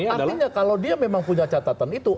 artinya kalau dia memang punya catatan itu